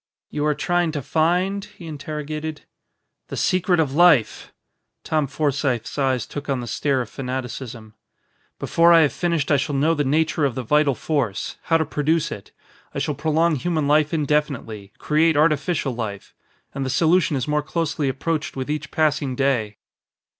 "You are trying to find?" he interrogated. "The secret of life!" Tom Forsythe's eyes took on the stare of fanaticism. "Before I have finished I shall know the nature of the vital force how to produce it. I shall prolong human life indefinitely; create artificial life. And the solution is more closely approached with each passing day."